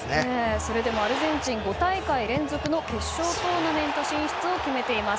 それでもアルゼンチン５大会連続の決勝トーナメント進出を決めています。